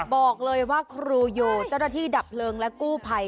บอกเลยว่าครูโยเจ้าหน้าที่ดับเพลิงและกู้ภัย